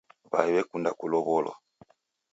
W'ai w'ekunda kulowolwa